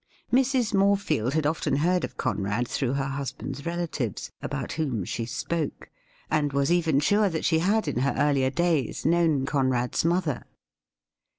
Mrs. Morefield had often heard of Conrad through her husband's relatives, about whom she spoke, and was even sure that she had in her eai'lier days known Conrad's mother.